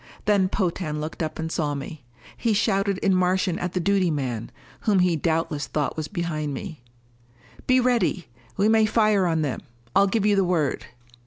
Then Potan looked up and saw me. He shouted in Martian at the duty man, whom he doubtless thought was behind me: "Be ready! We may fire on them. I'll give you the word."